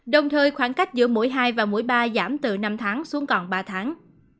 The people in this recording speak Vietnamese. đồng thời khoảng cách giữa mũi hai và mũi ba giảm từ năm tháng xuống còn ba tháng